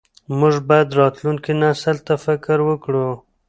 موږ باید راتلونکي نسل ته فکر وکړو.